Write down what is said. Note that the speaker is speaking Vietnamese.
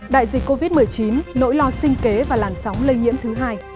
đại dịch covid một mươi chín nỗi lo sinh kế và làn sóng lây nhiễm thứ hai